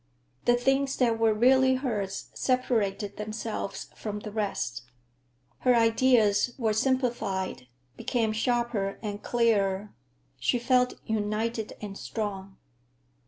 The things that were really hers separated themselves from the rest. Her ideas were simplified, became sharper and clearer. She felt united and strong.